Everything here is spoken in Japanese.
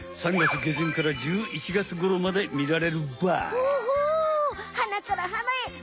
３月下旬から１１月ごろまで見られるばい。